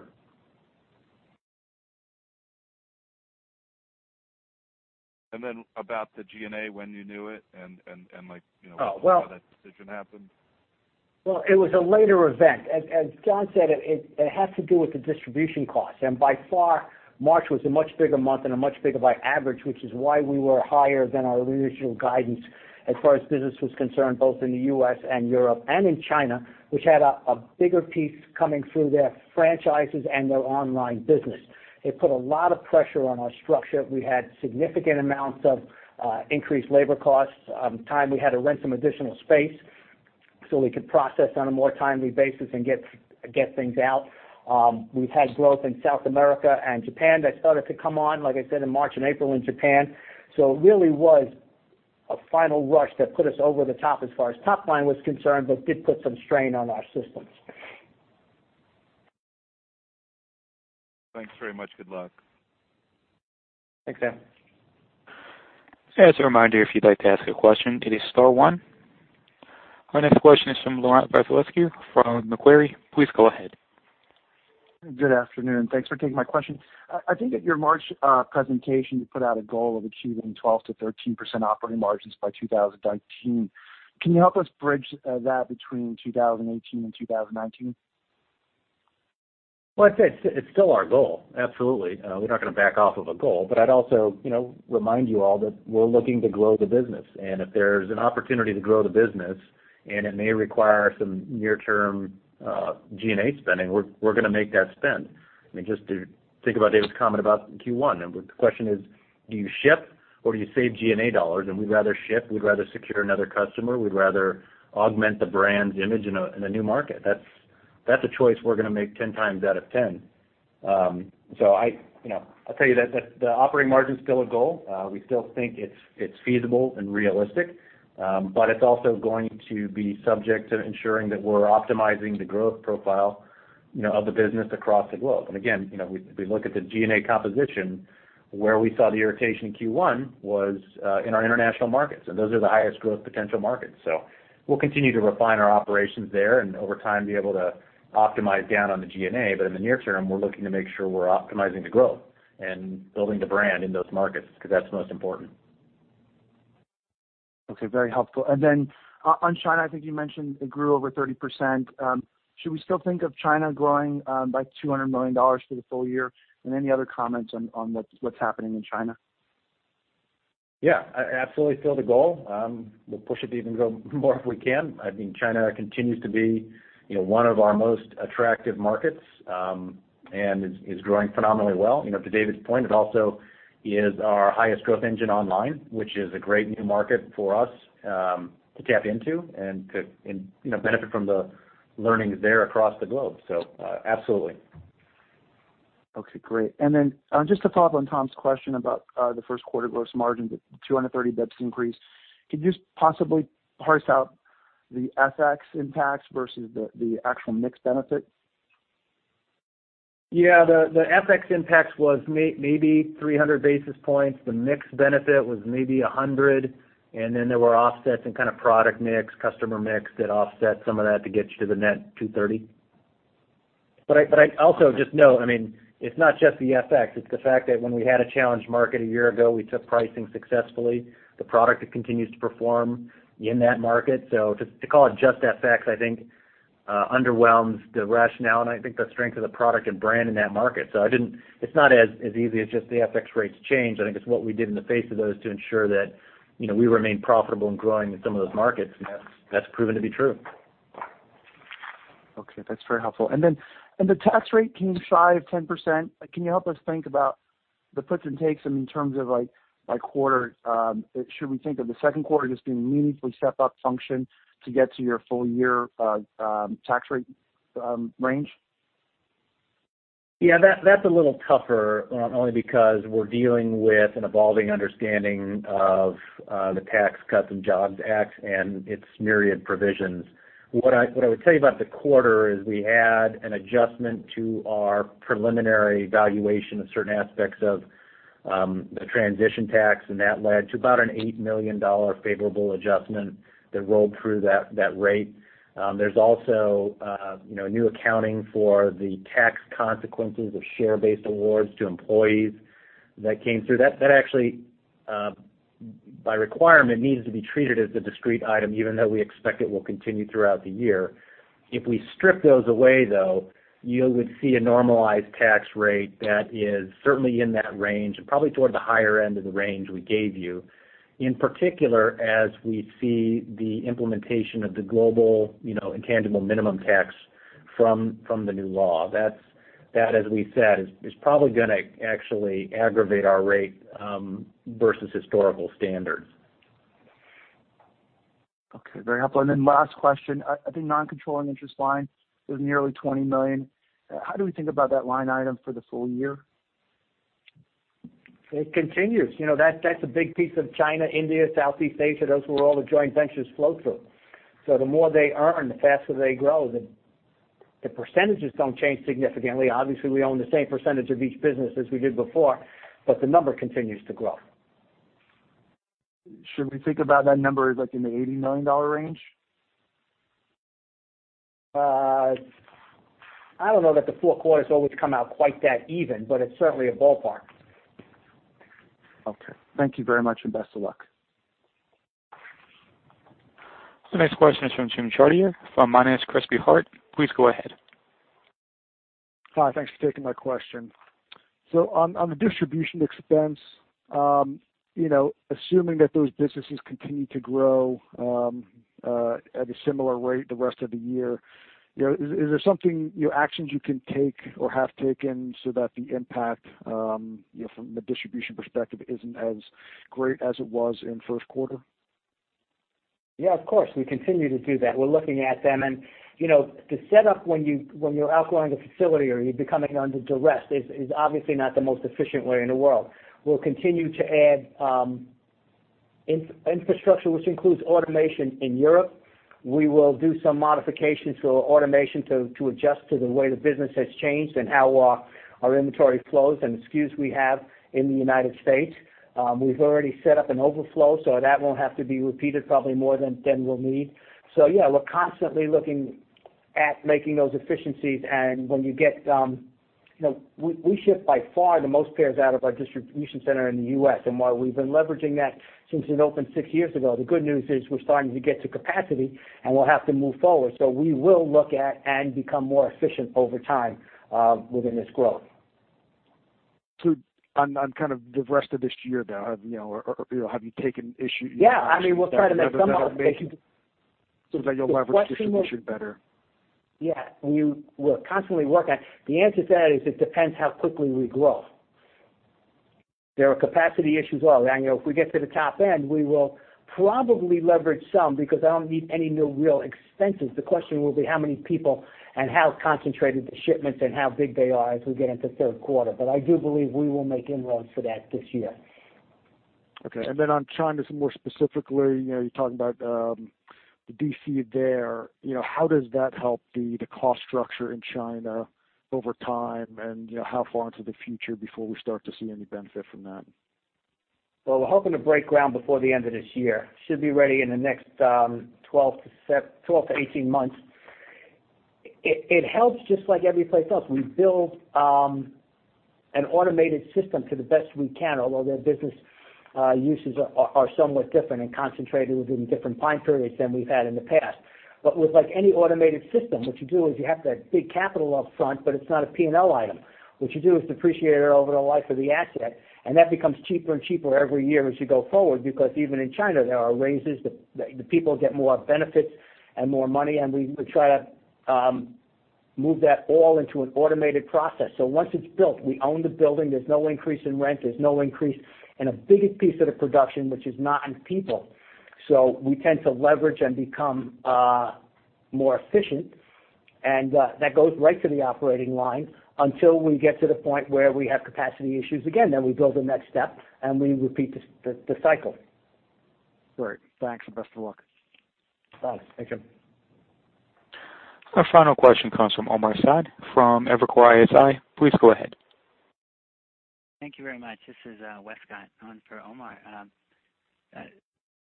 About the G&A, when you knew it and how that decision happened. It was a later event. As John said, it has to do with the distribution costs. By far, March was a much bigger month and a much bigger by average, which is why we were higher than our usual guidance as far as business was concerned, both in the U.S. and Europe and in China, which had a bigger piece coming through their franchises and their online business. It put a lot of pressure on our structure. We had significant amounts of increased labor costs, time we had to rent some additional space so we could process on a more timely basis and get things out. We've had growth in South America and Japan that started to come on, like I said, in March and April in Japan. It really was a final rush that put us over the top as far as top line was concerned, but did put some strain on our systems. Thanks very much. Good luck. Thanks, Sam. As a reminder, if you'd like to ask a question, it is star one. Our next question is from Laurent Vasilescu from Macquarie. Please go ahead. Good afternoon. Thanks for taking my question. I think at your March presentation, you put out a goal of achieving 12%-13% operating margins by 2019. Can you help us bridge that between 2018 and 2019? I'd say it's still our goal. Absolutely. We're not going to back off of a goal. I'd also remind you all that we're looking to grow the business. If there's an opportunity to grow the business and it may require some near term G&A spending, we're going to make that spend. Just to think about David's comment about Q1, the question is, do you ship or do you save G&A dollars? We'd rather ship, we'd rather secure another customer, we'd rather augment the brand's image in a new market. That's a choice we're going to make 10 times out of 10. I'll tell you that the operating margin is still a goal. We still think it's feasible and realistic. It's also going to be subject to ensuring that we're optimizing the growth profile of the business across the globe. Again, we look at the G&A composition, where we saw the irritation in Q1 was in our international markets, and those are the highest growth potential markets. We'll continue to refine our operations there and over time, be able to optimize down on the G&A. In the near term, we're looking to make sure we're optimizing the growth and building the brand in those markets because that's most important. Okay. Very helpful. Then on China, I think you mentioned it grew over 30%. Should we still think of China growing by $200 million for the full year? Any other comments on what's happening in China? Yeah. I absolutely feel the goal. We'll push it to even grow more if we can. China continues to be one of our most attractive markets, and is growing phenomenally well. To David's point, it also is our highest growth engine online, which is a great new market for us to tap into and to benefit from the learnings there across the globe. Absolutely. Okay, great. Just to follow up on Tom's question about the first quarter gross margins at 230 basis points increase. Could you possibly parse out the FX impacts versus the actual mix benefit? Yeah. The FX impact was maybe 300 basis points. The mix benefit was maybe 100 basis points. There were offsets and kind of product mix, customer mix that offset some of that to get you to the net 230 basis points. I also just note, it's not just the FX, it's the fact that when we had a challenged market a year ago, we took pricing successfully. The product continues to perform in that market. To call it just FX, I think underwhelms the rationale, and I think the strength of the product and brand in that market. It's not as easy as just the FX rates change. I think it's what we did in the face of those to ensure that we remain profitable and growing in some of those markets, and that's proven to be true. Okay. That's very helpful. The tax rate came shy of 10%. Can you help us think about the puts and takes in terms of by quarter? Should we think of the second quarter just being a meaningfully step up function to get to your full year tax rate range? Yeah, that's a little tougher, only because we're dealing with an evolving understanding of the Tax Cuts and Jobs Act and its myriad provisions. What I would tell you about the quarter is we had an adjustment to our preliminary valuation of certain aspects of the transition tax, and that led to about an $8 million favorable adjustment that rolled through that rate. There's also new accounting for the tax consequences of share-based awards to employees that came through. That actually, by requirement, needs to be treated as a discrete item, even though we expect it will continue throughout the year. If we strip those away, though, you would see a normalized tax rate that is certainly in that range and probably toward the higher end of the range we gave you. In particular, as we see the implementation of the Global Intangible Minimum Tax from the new law. That, as we said, is probably going to actually aggravate our rate versus historical standards. Okay. Very helpful. Then last question. I think non-controlling interest line was nearly $20 million. How do we think about that line item for the full year? It continues. That's a big piece of China, India, Southeast Asia. Those are where all the joint ventures flow through. The more they earn, the faster they grow. The percentages don't change significantly. Obviously, we own the same percentage of each business as we did before, the number continues to grow. Should we think about that number as in the $80 million range? I don't know that the four quarters always come out quite that even, but it's certainly a ballpark. Okay. Thank you very much, and best of luck. The next question is from Jim Chartier from Monness, Crespi, Hardt. Please go ahead. Hi. Thanks for taking my question. On the distribution expense, assuming that those businesses continue to grow at a similar rate the rest of the year, is there something, actions you can take or have taken so that the impact, from the distribution perspective, isn't as great as it was in first quarter? Yeah, of course. We continue to do that. We're looking at them, the setup when you're outgrowing the facility or you're becoming under duress is obviously not the most efficient way in the world. We'll continue to add infrastructure, which includes automation in Europe. We will do some modifications to our automation to adjust to the way the business has changed and how our inventory flows and SKUs we have in the U.S. We've already set up an overflow, so that won't have to be repeated probably more than we'll need. Yeah, we're constantly looking at making those efficiencies. We ship by far the most pairs out of our distribution center in the U.S., and while we've been leveraging that since it opened six years ago, the good news is we're starting to get to capacity, and we'll have to move forward. We will look at and become more efficient over time within this growth. On kind of the rest of this year, though, have you taken issue Yeah. We'll try to make some of That you'll leverage distribution better. Yeah. We're constantly working. The answer to that is it depends how quickly we grow. There are capacity issues all around here. If we get to the top end, we will probably leverage some because I don't need any new real expenses. The question will be how many people and how concentrated the shipments and how big they are as we get into third quarter. I do believe we will make inroads for that this year. Okay. Then on China, some more specifically, you're talking about the DC there. How does that help the cost structure in China over time? How far into the future before we start to see any benefit from that? Well, we're hoping to break ground before the end of this year. Should be ready in the next 12 to 18 months. It helps just like every place else. We build an automated system to the best we can, although their business uses are somewhat different and concentrated within different time periods than we've had in the past. With any automated system, what you do is you have to have big capital up front, but it's not a P&L item. What you do is depreciate it over the life of the asset, and that becomes cheaper and cheaper every year as you go forward because even in China, there are raises. The people get more benefits and more money, and we try to move that all into an automated process. Once it's built, we own the building. There's no increase in rent. There's no increase in a big piece of the production, which is not in people. We tend to leverage and become more efficient, and that goes right to the operating line until we get to the point where we have capacity issues again. We build the next step, and we repeat the cycle. Great. Thanks, and best of luck. Thanks. Thank you. Our final question comes from Omar Saad from Evercore ISI. Please go ahead. Thank you very much. This is Westcott on for Omar.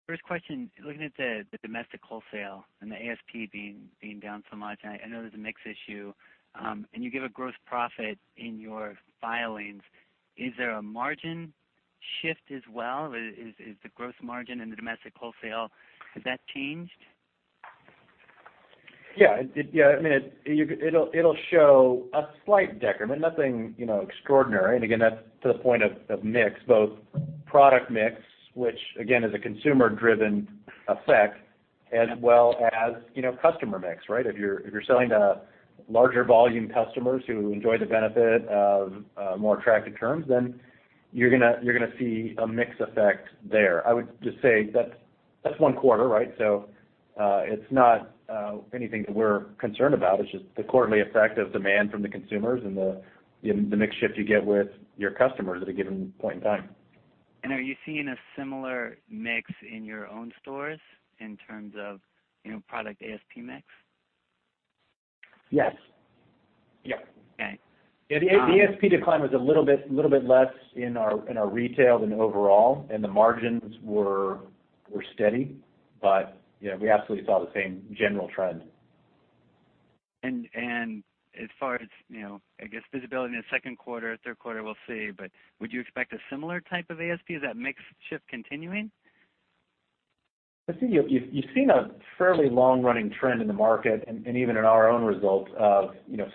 First question, looking at the domestic wholesale and the ASP being down so much, I know there's a mix issue. You give a gross profit in your filings. Is there a margin shift as well? Is the gross margin in the domestic wholesale, has that changed? Yeah. It'll show a slight decrement, nothing extraordinary. Again, that's to the point of mix, both product mix, which again is a consumer-driven effect, as well as customer mix, right? If you're selling to larger volume customers who enjoy the benefit of more attractive terms, then you're going to see a mix effect there. I would just say that's one quarter, right? It's not anything that we're concerned about. It's just the quarterly effect of demand from the consumers and the mix shift you get with your customers at a given point in time. Are you seeing a similar mix in your own stores in terms of product ASP mix? Yes. Yeah. Okay. The ASP decline was a little bit less in our retail than overall, and the margins were steady. We absolutely saw the same general trend. As far as, I guess visibility in the second quarter, third quarter, we'll see, but would you expect a similar type of ASP? Is that mix shift continuing? You've seen a fairly long-running trend in the market and even in our own results of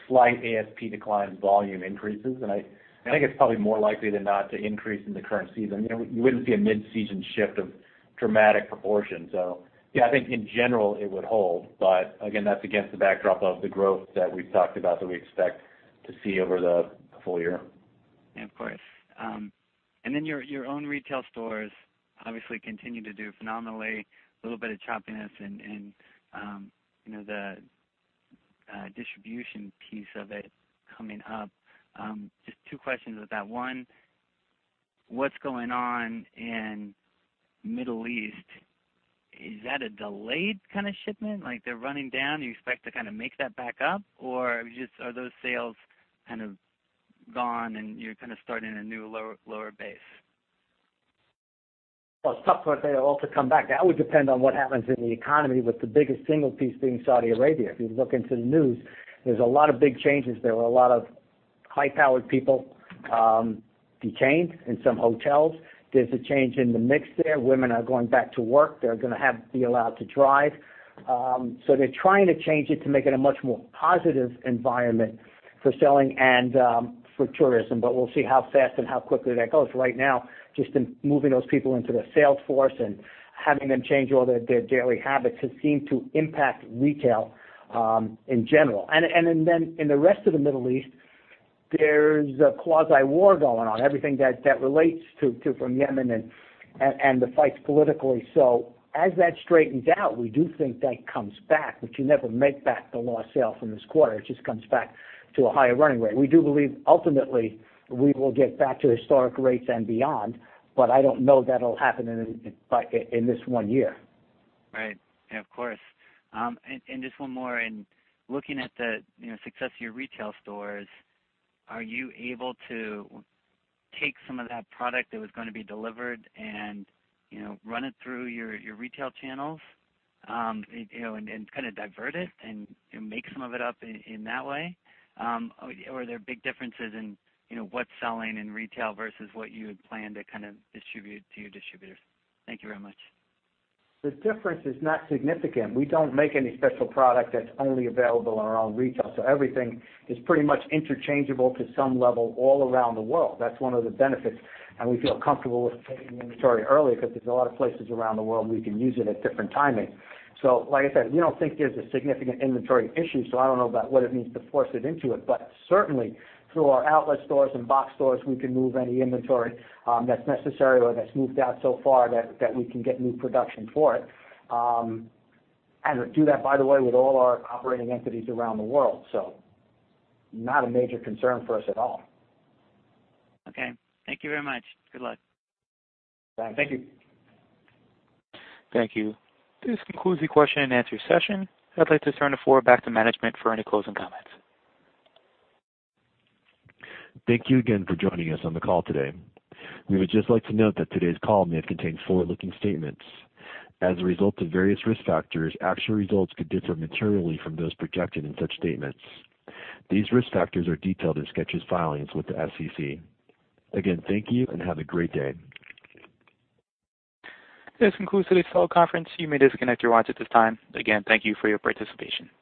slight ASP decline, volume increases, and I think it's probably more likely than not to increase in the current season. You wouldn't see a mid-season shift of dramatic proportion. Yeah, I think in general, it would hold, but again, that's against the backdrop of the growth that we've talked about that we expect to see over the full year. Yeah. Of course. Then your own retail stores obviously continue to do phenomenally. A little bit of choppiness in the distribution piece of it coming up. Just two questions with that. One, what's going on in Middle East? Is that a delayed kind of shipment? Like they're running down? Do you expect to kind of make that back up? Or are those sales kind of gone and you're kind of starting a new lower base? Well, it's tough for it to all to come back. That would depend on what happens in the economy, with the biggest single piece being Saudi Arabia. If you look into the news, there's a lot of big changes there, with a lot of high-powered people detained in some hotels. There's a change in the mix there. Women are going back to work. They're going to have to be allowed to drive. They're trying to change it to make it a much more positive environment for selling and for tourism, we'll see how fast and how quickly that goes. Right now, just in moving those people into the sales force and having them change all their daily habits has seemed to impact retail in general. In the rest of the Middle East, there's a quasi-war going on, everything that relates to from Yemen and the fights politically. As that straightens out, we do think that comes back, you never make back the lost sale from this quarter. It just comes back to a higher running rate. We do believe ultimately we will get back to historic rates and beyond, I don't know that'll happen in this one year. Right. Yeah, of course. Just one more. In looking at the success of your retail stores, are you able to take some of that product that was going to be delivered and run it through your retail channels, and kind of divert it and make some of it up in that way? Are there big differences in what's selling in retail versus what you had planned to kind of distribute to your distributors? Thank you very much. The difference is not significant. We don't make any special product that's only available in our own retail. Everything is pretty much interchangeable to some level all around the world. That's one of the benefits, we feel comfortable with taking inventory early because there's a lot of places around the world we can use it at different timing. Like I said, we don't think there's a significant inventory issue, I don't know about what it means to force it into it. Certainly, through our outlet stores and box stores, we can move any inventory that's necessary or that's moved out so far that we can get new production for it. Do that, by the way, with all our operating entities around the world. Not a major concern for us at all. Okay. Thank you very much. Good luck. Bye. Thank you. Thank you. This concludes the question and answer session. I'd like to turn the floor back to management for any closing comments. Thank you again for joining us on the call today. We would just like to note that today's call may contain forward-looking statements. As a result of various risk factors, actual results could differ materially from those projected in such statements. These risk factors are detailed in Skechers' filings with the SEC. Again, thank you, and have a great day. This concludes today's call conference. You may disconnect your (line) at this time. Again, thank you for your participation.